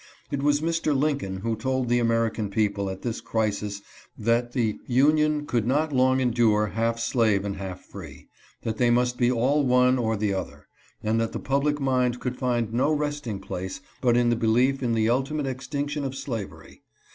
It was Mr. Lincoln who told the American people at this crisis that the " Union could not long endure half slave and half free ; that they must be all one or the other, and that the public mind could find no resting place but in the belief in the ultimate extinction of slavery."